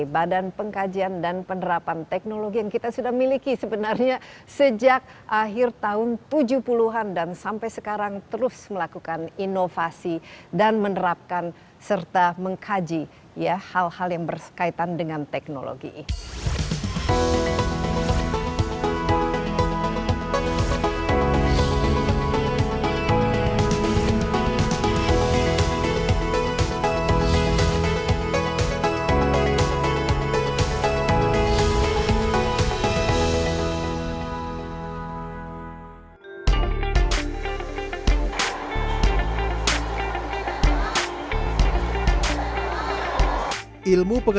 badan pengkajian dan penerapan teknologi yang kita sudah miliki sebenarnya sejak akhir tahun tujuh puluh an dan sampai sekarang terus melakukan inovasi dan menerapkan serta mengkaji hal hal yang berkaitan dengan teknologi